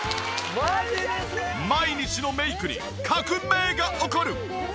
毎日のメイクに革命が起こる！